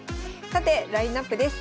さてラインナップです。